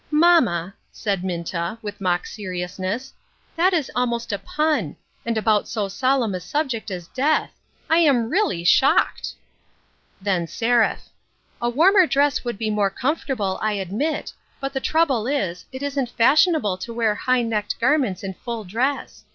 " Mamma," said Minta, with mock seriousness, " that is almost a pun ; and about so solemn a sub ject as death. I am really shocked !" Then Seraph :" A warmer dress would be more comfortable, I admit, but the trouble is, it isn't fashionable to wear high necked garments in full dress.